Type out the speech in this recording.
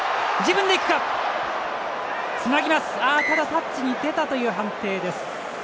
タッチに出たという判定です。